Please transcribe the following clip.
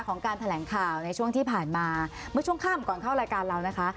การแถลงข่าวในช่วงที่ผ่านมาเมื่อช่วงค่ำก่อนเข้ารายการเรานะคะ